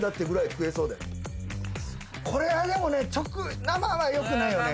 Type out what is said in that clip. これはでも。